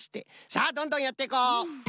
さあどんどんやっていこう。